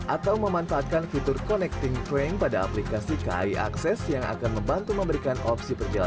atau memanfaatkan fitur connecting train pada aplikasi kai akses yang akan membantu memberikan opsi perjalanan